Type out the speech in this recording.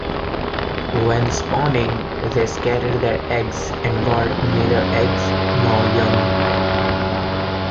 When spawning, they scatter their eggs and guard neither eggs nor young.